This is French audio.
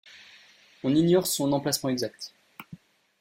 On ignore son emplacement exact.